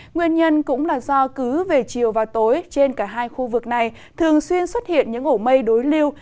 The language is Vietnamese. nguyên nhân cũng là do cứ về chiều và tối trên cả hai khu vực này thường xuyên xuất hiện những ổ mây đối lưu